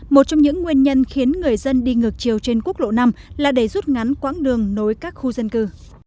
một trong những nguyên nhân khiến người dân đi ngược chiều trên quốc lộ năm là để rút ngắn quãng đường nối các khu dân cư